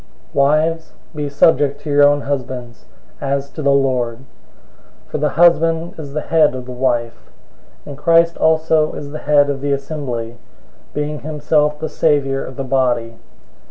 005:022 Wives, be subject to your own husbands, as to the Lord. 005:023 For the husband is the head of the wife, and Christ also is the head of the assembly, being himself the savior of the body.